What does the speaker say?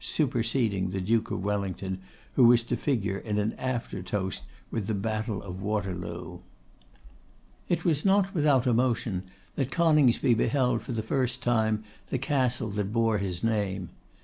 superseding the Duke of Wellington, who was to figure in an after toast with the Battle of Waterloo. It was not without emotion that Coningsby beheld for the first time the castle that bore his name.